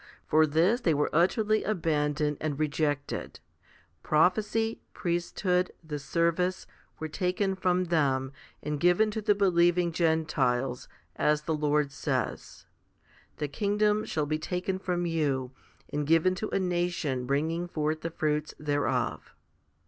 For this they were utterly abandoned and rejected. Prophecy, priesthood, the service, were taken from them and given to the believing Gentiles, as the Lord says, The kingdom shall be taken from you, and given to a nation bringing forth the fruits thereof.